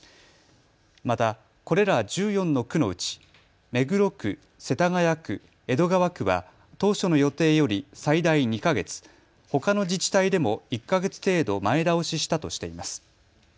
また、これら１４の区のうち目黒区、世田谷区、江戸川区は当初の予定より最大２か月、ほかの自治体でも１か月程度前倒ししたとしています。